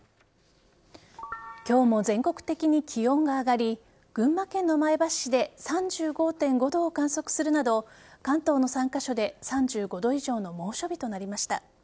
今日も全国的に気温が上がり群馬県の前橋市で３５．５度を観測するなど関東の３カ所で３５度以上の猛暑日となりました。